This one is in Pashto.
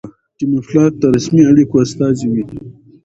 ډيپلومات د رسمي اړیکو استازی وي.